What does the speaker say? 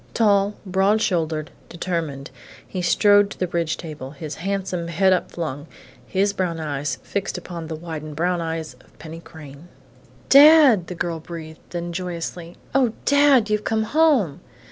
Tall, broad shouldered, determined, he strode to the bridge table, his handsome head upflung, his brown eyes fixed upon the widened brown eyes of Penny Crain. "Dad!" the girl breathed; then, joyously: "Oh, Dad! You've come home!"